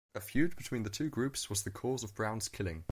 A feud between the two groups was the cause of Brown's killing.